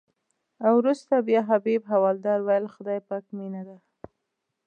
وروسته بیا حبیب حوالدار ویل خدای پاک مینه ده.